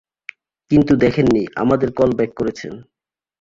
কিন্তু দেখেননি, আমাদের কল ব্যাক করেছেন।